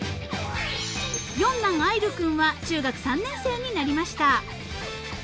［四男瑠君は中学３年生になりました］